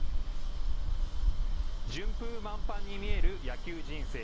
順風満帆に見える野球人生。